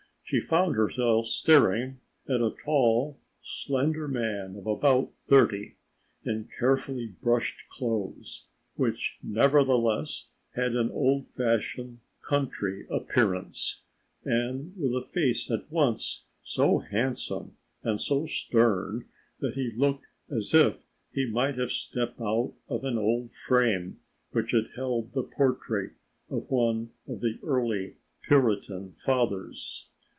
She found herself staring at a tall, slender man of about thirty, in carefully brushed clothes, which nevertheless had an old fashioned, country appearance, and with a face at once so handsome and so stern that he looked as if he might have stepped out of an old frame which had held the portrait of one of the early Puritan fathers.